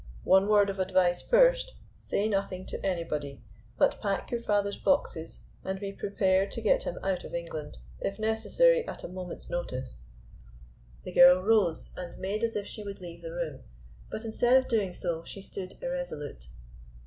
One word of advice first, say nothing to anybody, but pack your father's boxes and be prepared to get him out of England, if necessary, at a moment's notice." The girl rose and made as if she would leave the room, but instead of doing so she stood irresolute.